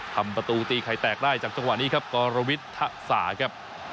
ทำประตูตีไข่แตกได้จากจังหวะนี้ครับกรวิทธสาครับ